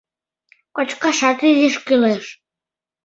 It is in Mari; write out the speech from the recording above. Кочкашат изиш кӱлеш.